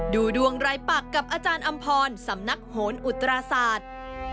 ดูดวงรายปักกับอาจารย์อำพรสำนักโหนอุตราศาสตร์